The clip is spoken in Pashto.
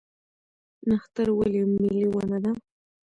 نښتر ولې ملي ونه ده؟